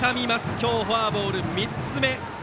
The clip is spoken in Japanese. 今日フォアボール３つ目。